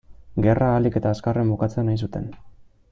Gerra ahalik eta azkarren bukatzea nahi zuten.